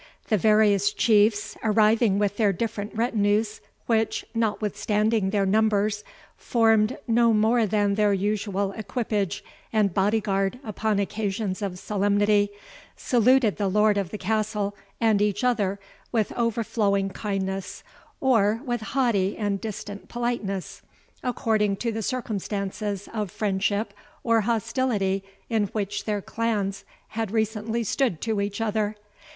The various Chiefs, arriving with their different retinues, which, notwithstanding their numbers, formed no more than their usual equipage and body guard upon occasions of solemnity, saluted the lord of the castle and each other with overflowing kindness, or with haughty and distant politeness, according to the circumstances of friendship or hostility in which their clans had recently stood to each other.